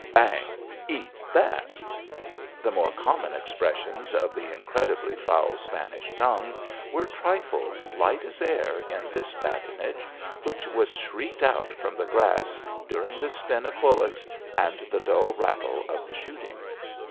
Bang! "Eat that." The more common expressions of the incredibly foul Spanish tongue were trifles light as air in this badinage, which was shrieked out from the grass during the spin of bullets, and the dull rattle of the shooting.